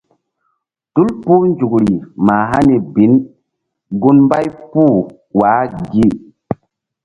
Tul puh nzukri mah hani bin gun mbay puh wa gi.